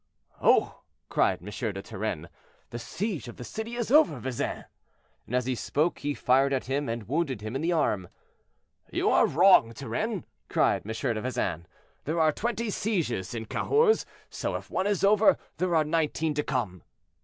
"Oh!" cried M. de Turenne, "the siege of the city is over, Vezin." And as he spoke he fired at him and wounded him in the arm. "You are wrong, Turenne," cried M. de Vezin, "there are twenty sieges in Cahors; so if one is over, there are nineteen to come."